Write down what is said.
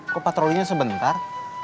kok patrolinya sebentar